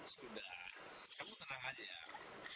sudah kamu tenang aja